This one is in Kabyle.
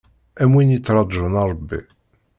Am win yettraǧun Ṛebbi.